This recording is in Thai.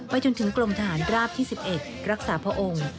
จนถึงกลมทหารราบที่๑๑รักษาพระองค์